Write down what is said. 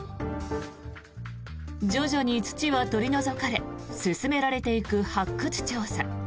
徐々に土は取り除かれ進められていく発掘調査。